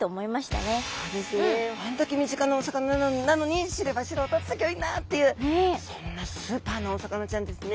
あれだけ身近なお魚なのに知れば知るほどすギョいなっていうそんなスーパーなお魚ちゃんですね。